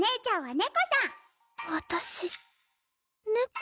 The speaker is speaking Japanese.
猫